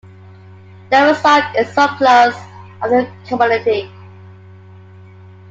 The result is a surplus of the commodity.